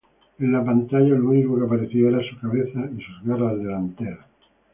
En la pantalla lo único que aparecía era su cabeza y sus garras delanteras.